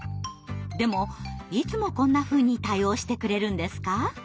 でもいつもこんなふうに対応してくれるんですか？